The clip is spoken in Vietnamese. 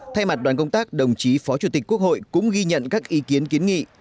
thay mặt đoàn công tác đồng chí phó chủ tịch quốc hội cũng ghi nhận các ý kiến kiến nghị